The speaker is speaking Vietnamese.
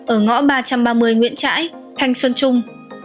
ở ngõ ba trăm ba mươi nguyễn trãi thanh xuân trung